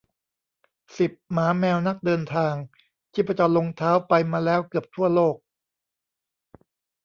สิบ หมาแมวนักเดินทาง ชีพจรลงเท้า ไปมาแล้วเกือบทั่วโลก